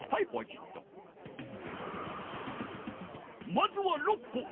まずは６歩。